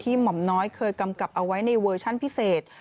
หม่อมน้อยเคยกำกับเอาไว้ในเวอร์ชั่นพิเศษ